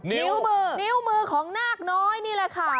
นิ้วมือของนากน้อยนี่แหละค่ะ